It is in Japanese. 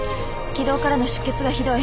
気道からの出血がひどい。